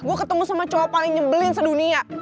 gue ketemu sama cowok paling nyebelin sedunia